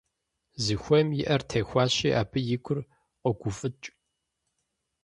Зыхуейм и Ӏэр техуащи, абы и гур къогуфӀыкӀ.